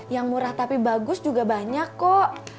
yang murah tapi bagus juga banyak kok